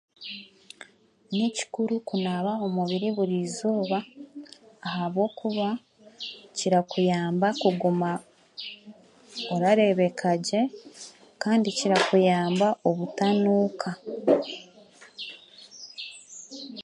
Ni kikuru kunaaba omubiri burizooba, ahabwokuba kirakuyamba kuguma orareebeka gye kandi kirakuyamba obutanuuka.